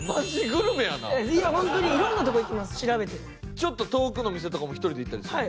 ちょっと遠くの店とかも一人で行ったりするの？